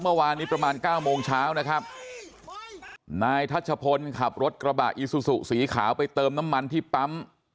เมื่อวานนี้ประมาณเก้าโมงเช้านะครับนายทัชพลขับรถกระบะอีซูซูสีขาวไปเติมน้ำมันที่ปั๊ม